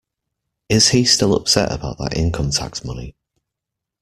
Is he still upset about that income-tax money?